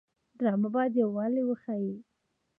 ډرامه باید یووالی وښيي